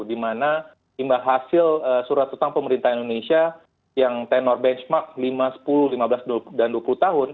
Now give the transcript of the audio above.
dimana imbah hasil surat utang pemerintah indonesia yang tenor benchmark lima sepuluh lima belas dan dua puluh tahun